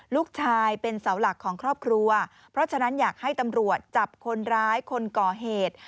ลูกชายเป็นเสาหลักของครอบครัวเพราะฉะนั้นอยากให้ตำรวจจับคนร้ายคนก่อเหตุ